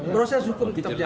proses hukum tetap jalan